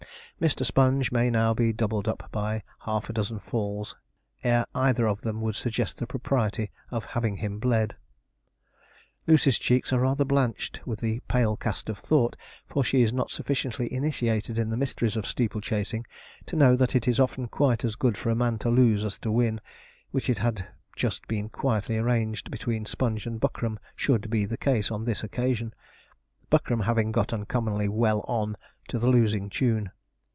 Mr. Sponge may now be doubled up by half a dozen falls ere either of them would suggest the propriety of having him bled. Lucy's cheeks are rather blanched with the 'pale cast of thought,' for she is not sufficiently initiated in the mysteries of steeple chasing to know that it is often quite as good for a man to lose as to win, which it had just been quietly arranged between Sponge and Buckram should be the case on this occasion, Buckram having got uncommonly 'well on' to the losing tune.